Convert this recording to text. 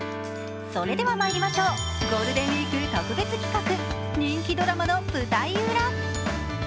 それでは参りましょう、ゴールデンウイーク特別企画、人気ドラマの舞台裏。